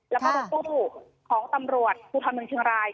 แล้วก็รถตู้ของตำรวจภูทรเมืองเชียงราย